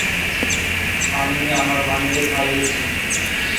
আমি আমার মানিব্যাগ হারিয়েছি।